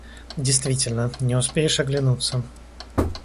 Действительно, не успеешь оглянуться